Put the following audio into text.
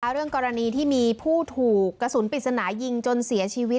เรื่องกรณีที่มีผู้ถูกกระสุนปริศนายิงจนเสียชีวิต